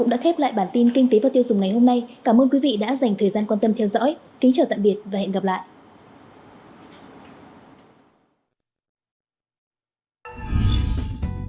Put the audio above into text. cảm ơn các bạn đã theo dõi và hẹn gặp lại